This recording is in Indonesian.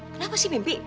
kenapa sih mimpi